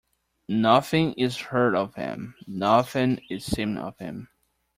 Nothing is heard of him, nothing is seen of him.